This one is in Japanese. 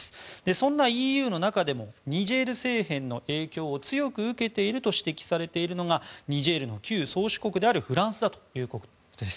そんなＥＵの中でもニジェール政変の影響を強く受けていると指摘されているのがニジェールの旧宗主国であるフランスだということです。